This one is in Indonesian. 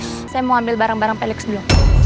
saya mau ambil barang barang felix dulu